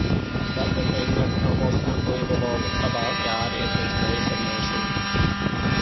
But the thing that's almost unbelievable about God is His grace and mercy.